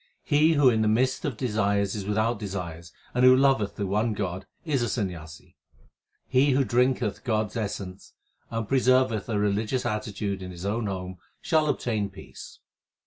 He who in the midst of desires is without desires, and who loveth the one God is a Sanyasi. He who drinketh God s essence and preserveth a religious attitude in his own home shall obtain peace.